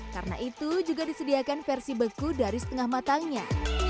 karena itu juga disediakan versi beku dari setengah matangnya